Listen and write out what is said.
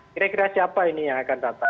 kira kira siapa ini yang akan datang